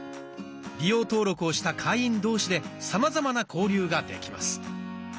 利用登録をした会員同士でさまざまな交流ができます。